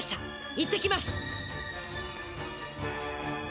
いってきます！